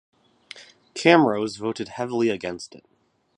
Camrose voted heavily against it.